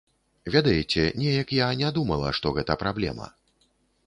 Ведаеце, неяк я не думала, што гэта праблема.